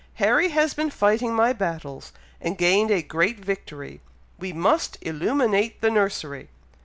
"Harry has been fighting my battles, and gained a great victory! we must illuminate the nursery!"